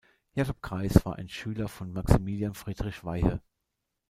Jakob Greiß war ein Schüler von Maximilian Friedrich Weyhe.